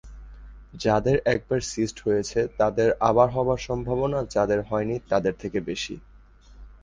যাদের একবার সিস্ট হয়েছে, তাদের আবার হবার সম্ভাবনা যাদের হয়নি তাদের থেকে বেশি।